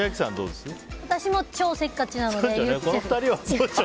私も超せっかちなので。